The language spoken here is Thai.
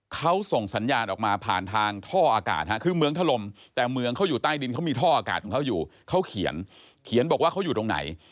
เขาส่งสัญญาณออกมาผ่านทางท่ออากาศคือเมืองถล่มแต่เมืองเขาอยู่ใต้ดินเขามีท่ออากาศของเขาอยู่เขาเขียนเขียนบอกว่าเขาอยู่ตรงไหน